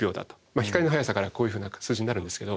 光の速さからこういうふうな数字になるんですけど。